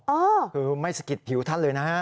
โอ้โหไม่สกิดผิวท่านเลยนะฮะ